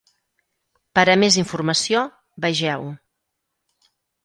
Per a més informació, vegeu: